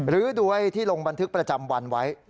รื้อดูให้ที่ลงบันทึกประจำวันไว้